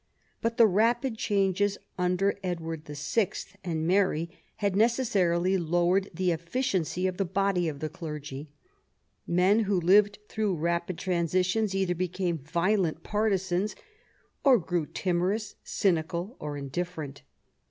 But the rapid changes under Edward VI. and Mary had necessarily lowered the efficiency of the body of the clergy. Men who live through rapid transitions either become violent partisans, or grow timorous, cynical, or indifferent.